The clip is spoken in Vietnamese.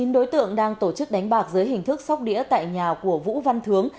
chín đối tượng đang tổ chức đánh bạc dưới hình thức sóc đĩa tại nhà của vũ văn thướng